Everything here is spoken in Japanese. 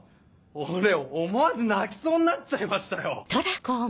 俺思わず泣きそうになっちゃいましたよ。